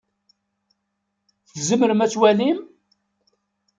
Tzemrem ad twalim?